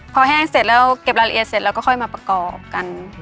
พอแห้งเสร็จแล้วเก็บรายละเอียดเสร็จเราก็ค่อยมาประกอบกัน